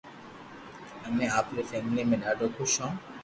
امي آپري فيملي مي ڌاڌو خوݾ